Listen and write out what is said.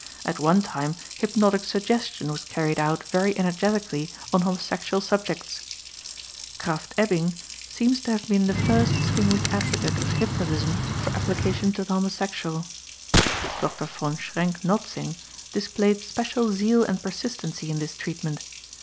At one time hypnotic suggestion was carried out very energetically on homosexual subjects. Krafft Ebing seems to have been the first distinguished advocate of hypnotism for application to the homosexual. Dr. von Schrenck Notzing displayed special zeal and persistency in this treatment.